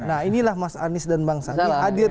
nah inilah mas anies dan bang saki hadir disini